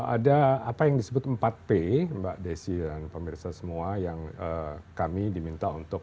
ada apa yang disebut empat p mbak desi dan pemirsa semua yang kami diminta untuk